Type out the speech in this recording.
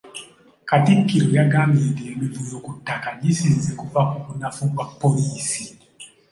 Katikkiro yagambye nti emivuyo ku ttaka gisinze kuva ku bunafu bwa poliisi.